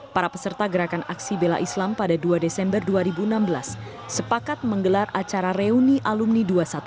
para peserta gerakan aksi bela islam pada dua desember dua ribu enam belas sepakat menggelar acara reuni alumni dua ratus dua belas